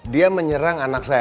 dia menyerang anak saya